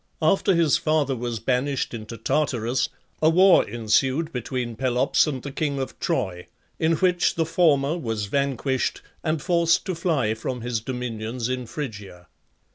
After his father was banished into Tartarus, a war ensued between Pelops and the king of Troy, in which the former was vanquished and forced to fly from his dominions in Phrygia.